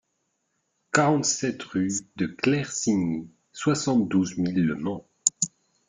quarante-sept rue de Claircigny, soixante-douze mille Le Mans